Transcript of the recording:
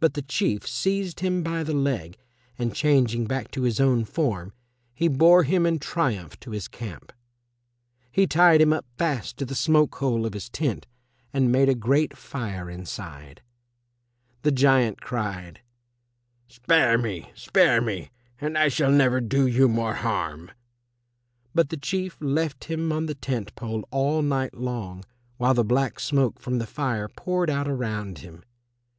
But the Chief seized him by the leg, and changing back to his own form, he bore him in triumph to his camp. He tied him up fast to the smoke hole of his tent and made a great fire inside. The giant cried, "Spare me, spare me, and I shall never do you more harm." But the Chief left him on the tent pole all night long while the black smoke from the fire poured out around him.